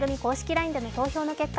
ＬＩＮＥでの投票の結果